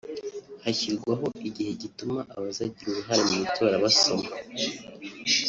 hashyirwaho igihe gituma abazagira uruhare mu itora basoma